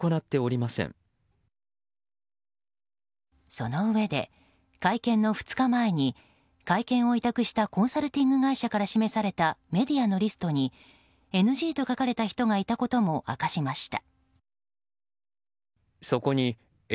そのうえで、会見の２日前に会見を委託したコンサルティング会社から示されたメディアのリストにＮＧと書かれた人がいたことも明かしました。